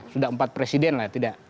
sudah empat presiden lah